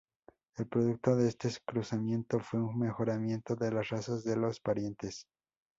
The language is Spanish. El producto de este cruzamiento fue un mejoramiento de las razas de los parientes.